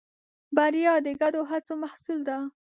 بریا د ګډو هڅو محصول ده.